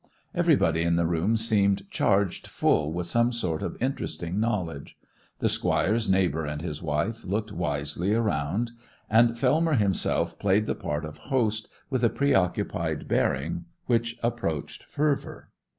Everybody in the room seemed charged full with some sort of interesting knowledge: the squire's neighbour and his wife looked wisely around; and Fellmer himself played the part of host with a preoccupied bearing which approached fervour.